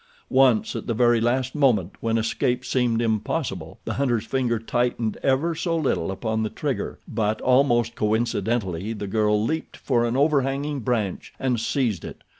Once, at the very last moment, when escape seemed impossible, the hunter's finger tightened ever so little upon the trigger, but almost coincidentally the girl leaped for an over hanging branch and seized it.